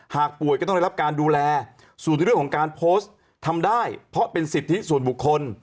ป่วยก็ต้องได้รับการดูแลส่วนที่เรื่องของการโพสต์ทำได้เพราะเป็นสิทธิส่วนบุคคล